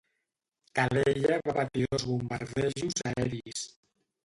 Calella va patir dos bombardejos aeris.